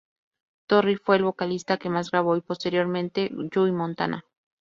Thorry fue el vocalista que más grabó y, posteriormente, Guy Montana.